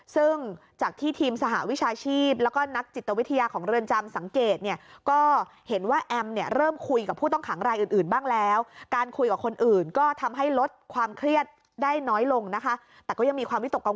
ซึ่งจากที่ทีมสหวิชาชีพแล้วก็นักจิตวิทยาของเรือนจำสังเกต